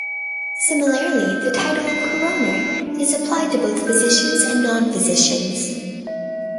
Similarly, the title "coroner" is applied to both physicians and non-physicians.